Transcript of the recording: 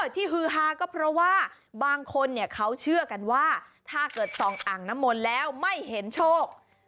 ฮือฮาก็เพราะว่าบางคนเขาเชื่อกันว่าถ้าเกิดส่องอ่างน้ำมนต์แล้วไม่เห็นโชค